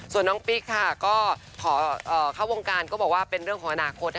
ส่วนน้องปิ๊กค่ะก็ขอเข้าวงการก็บอกว่าเป็นเรื่องของอนาคต